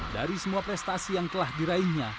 dari semua prestasi yang telah diraihnya